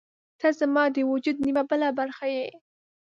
• ته زما د وجود نیمه بله برخه یې.